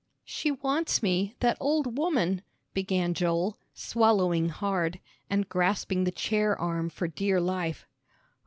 "She wants me that old woman," began Joel, swallowing hard, and grasping the chair arm for dear life.